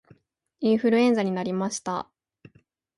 インフルエンザになりました